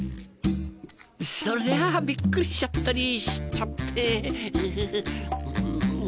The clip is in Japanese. そりゃあびっくりしちゃったりしちゃってフフフ。